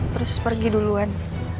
terus pergi duluan